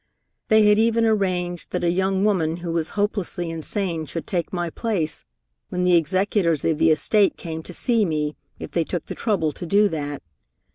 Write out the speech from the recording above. They had even arranged that a young woman who was hopelessly insane should take my place when the executors of the estate came to see me, if they took the trouble to do that.